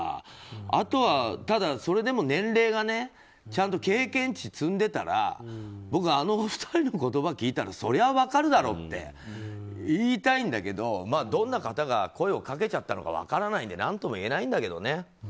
あとは、ただ、それでも年齢がねちゃんと経験値を積んでいたら僕はあのお二人の言葉を聞いたらそりゃ分かるだろうって言いたいんだけどどんな方が声をかけちゃったのか分からないので何とも言えないんだけどね。